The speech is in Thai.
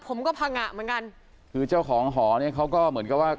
พังงะเหมือนกันคือเจ้าของหอเนี้ยเขาก็เหมือนกับว่า